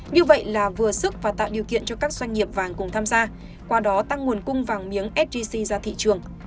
như vậy là vừa sức và tạo điều kiện cho các doanh nghiệp vàng cùng tham gia qua đó tăng nguồn cung vàng miếng sgc ra thị trường